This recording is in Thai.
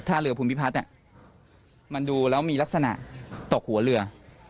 ถ้าเรือภูมิพิพัฒน์มันดูแล้วมีลักษณะตกหัวเรือ